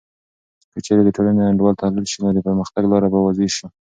که چیرې د ټولنې انډول تحلیل سي، نو د پرمختګ لاره به واضح سي.